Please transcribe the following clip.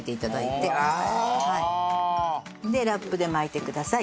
ああ！でラップで巻いてください。